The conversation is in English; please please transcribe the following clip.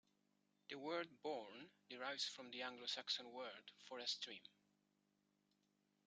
The word bourne derives from the Anglo-Saxon word for a stream.